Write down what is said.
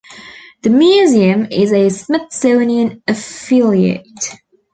The museum is a Smithsonian Affiliate.